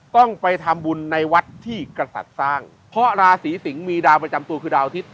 ต้องไปทำบุญในวัดที่กษัตริย์สร้างเพราะราศีสิงศ์มีดาวประจำตัวคือดาวอาทิตย